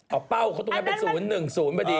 อ๋อเป้าเขาต้องให้เป็น๐๑๐ปะดิ